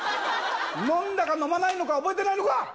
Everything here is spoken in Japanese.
飲んだか飲まないのか、覚えてないのか。